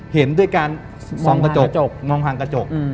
เห็นด้วยการมองหางกระจก